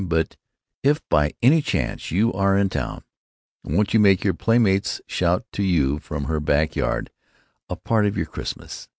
But if by any chance you are in town, won't you make your playmate's shout to you from her back yard a part of your Xmas?